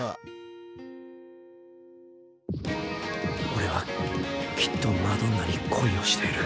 オレはきっとマドンナに恋をしている！